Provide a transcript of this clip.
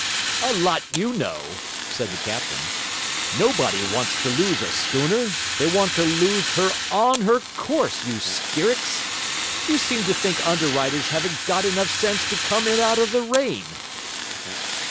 'A lot you know,' said the captain. 'Nobody wants to lose a schooner; they want to lose her ON HER COURSE, you skeericks! You seem to think underwriters haven't got enough sense to come in out of the rain.'